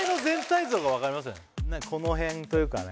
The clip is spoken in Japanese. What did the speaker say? この辺というかね